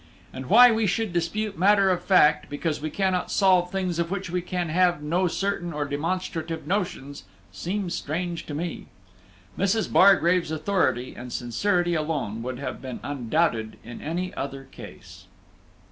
And why we should dispute matter of fact, because we cannot solve things of which we can have no certain or demonstrative notions, seems strange to me; Mrs. Bargrave's authority and sincerity alone would have been undoubted in any other case.